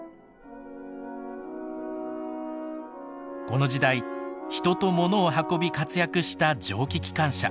この時代ヒトとモノを運び活躍した蒸気機関車。